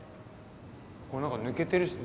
これ何か抜けてるし。